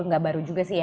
gak baru juga sih ya